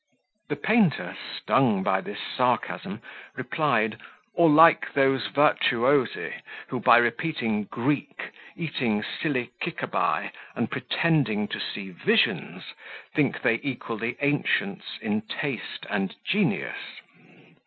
The painter, stung by this sarcasm, replied, "or like those virtuosi, who, by repeating Greek, eating sillikicaby, and pretending to see visions, think they equal the ancients in taste and genius."